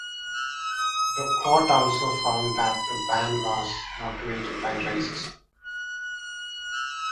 The court also found that the ban was motivated by racism.